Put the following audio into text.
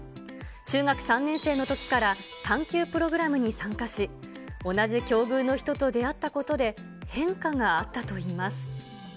中学３年生のときから探求プログラムに参加し、同じ境遇の人と出会ったことで変化があったといいます。